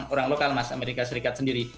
orang lokal mas amerika serikat sendiri